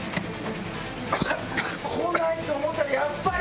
来ないと思ったらやっぱり！